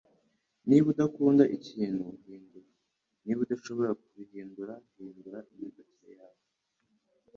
Niba udakunda ikintu, hindura. Niba udashobora kubihindura, hindura imyifatire yawe. ”